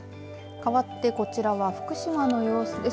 かわってこちらは福島の様子です。